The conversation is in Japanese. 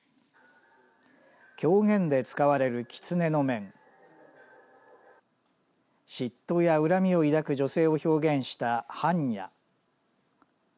狂言で使われるきつねの面嫉妬や恨みを抱く女性を表現した般若。